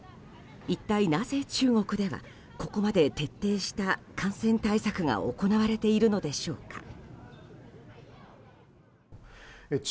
一体なぜ中国ではここまで徹底した感染対策が行われているのでしょうか？